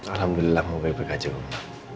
alhamdulillah mau baik baik aja pak